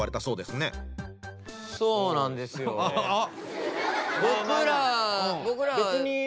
そうなんですよね。